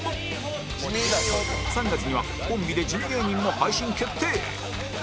３月にはコンビで地味芸人も配信決定